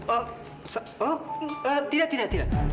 oh oh tidak tidak